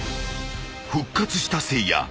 ［復活したせいや］